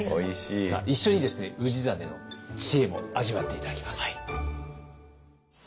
一緒に氏真の知恵も味わって頂きます。